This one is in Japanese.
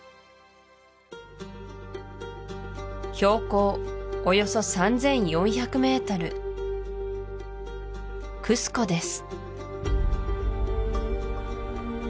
標高およそ３４００ｍクスコです